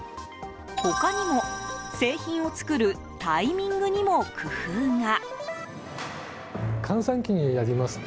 他にも、製品を作るタイミングにも工夫が。